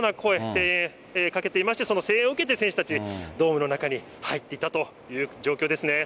声援かけていまして、その声援をかけていまして、選手たち、ドームの中に入っていったという状況ですね。